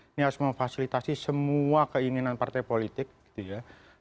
ini harus memfasilitasi semua keinginan partai politik gitu ya